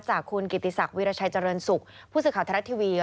จากคุณกิติศักดิราชัยเจริญสุขผู้สื่อข่าวไทยรัฐทีวี